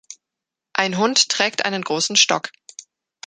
Ein Hund trägt einen großen Stock.